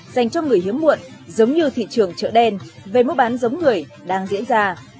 dành cho người hiếm muộn giống như thị trường chợ đen về mua bán giống người đang diễn ra